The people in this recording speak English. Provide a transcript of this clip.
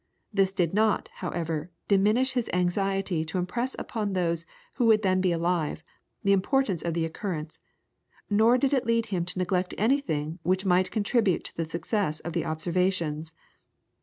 This did not, however, diminish his anxiety to impress upon those who would then be alive, the importance of the occurrence, nor did it lead him to neglect anything which might contribute to the success of the observations.